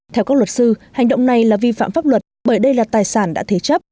theo các luật sư hành động này là vi phạm pháp luật bởi đây là tài sản đã thế chấp